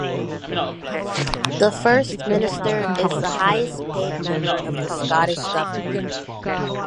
The First Minister is the highest paid member of the Scottish Government.